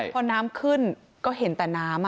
พอน้ำขึ้นก็เห็นแต่น้ำ